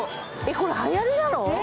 これ、はやりなの？